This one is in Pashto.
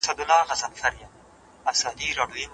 انشا بايد روانه او خوږه وي.